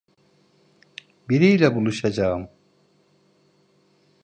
Biriyle buluşacağım.